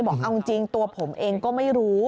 บอกเอาจริงตัวผมเองก็ไม่รู้